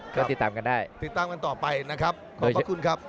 ก็ติดตามกันได้ติดตามกันต่อไปนะครับขอบพระคุณครับ